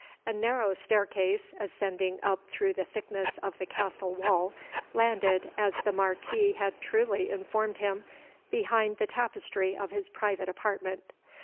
A narrow staircase, ascending up through the thickness of the castle wall, landed, as the Marquis had truly informed him, behind the tapestry of his private apartment.